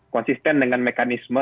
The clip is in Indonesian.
konsisten dengan mekanisme